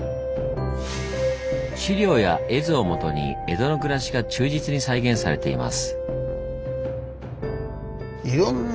資料や絵図をもとに江戸の暮らしが忠実に再現されています。